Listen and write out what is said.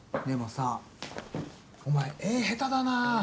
でもさお前絵下手だな。